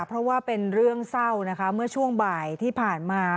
เพราะว่าเป็นเรื่องเศร้านะคะเมื่อช่วงบ่ายที่ผ่านมา